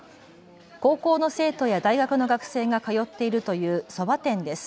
高校の生徒や大学の学生が通っているというそば店です。